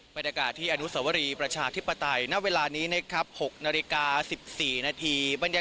บรรยากาศที่อนุสวรีประชาธิปไตยณเวลานี้นะครับ๖นาฬิกา๑๔นาที